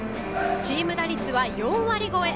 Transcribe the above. チーム打率は４割超え。